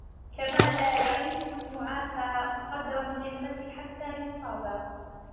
كَمَا لَا يَعْرِفُ الْمُعَافَى قَدْرَ النِّعْمَةِ حَتَّى يُصَابَ